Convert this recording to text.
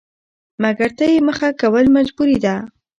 مکر ته يې مخه کول مجبوري ده؛